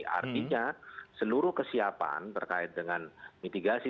artinya seluruh kesiapan terkait dengan mitigasi